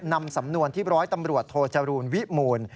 นำสำนวนที่ร้อยตำรวจโทจรูลวิมูล